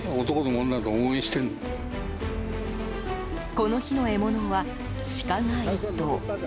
この日の獲物はシカが１頭。